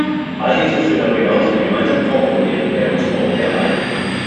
Allerdings müssen wir darüber hinaus einen gemeinsamen Traum formulieren, der uns Europäer eint.